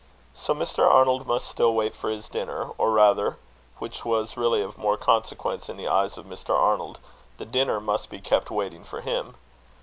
So Mr. Arnold must still wait for his dinner; or rather, which was really of more consequence in the eyes of Mr. Arnold, the dinner must be kept waiting for him.